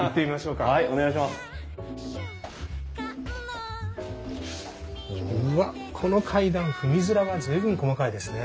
うわっこの階段踏み面が随分細かいですね。